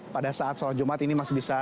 pada saat sholat jumat ini masih bisa